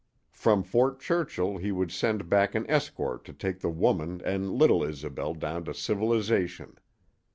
From Fort Churchill he would send back an escort to take the woman and little Isobel down to civilization.